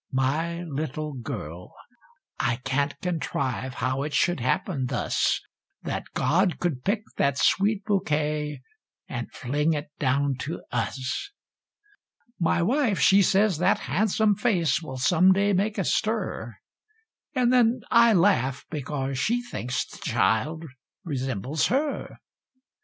My little girl I can't contrive how it should happen thus That God could pick that sweet bouquet, and fling it down to us! My wife, she says that han'some face will some day make a stir; And then I laugh, because she thinks the child resembles her.